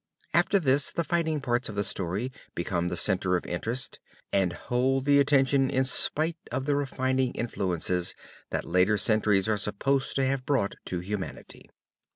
After this the fighting parts of the story become the center of interest and hold the attention in spite of the refining influences that later centuries are supposed to have brought to humanity.